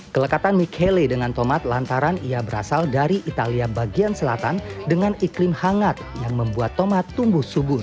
kelekatan michele dengan tomat lantaran ia berasal dari italia bagian selatan dengan iklim hangat yang membuat tomat tumbuh subur